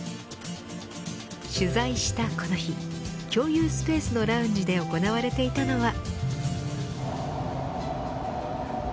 取材したこの日共有スペースのラウンジで行われていたのは。